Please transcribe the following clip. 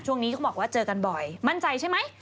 ช่วงนี้เขาบอกว่าเจอกันบ่อยมั่นใจใช่ไหม